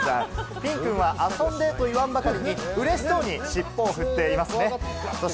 フィンくんは遊んで！と言わんばかりに、うれしそうに尻尾を振っていますね。